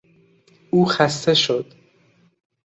او خسته شد.